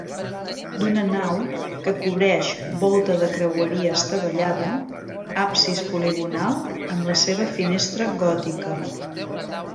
D'una nau, que cobreix volta de creueria estavellada, absis poligonal amb la seva finestra gòtica.